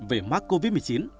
về mắc covid một mươi chín